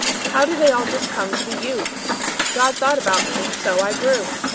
How did they all just come to be you? God thought about me, and so I grew.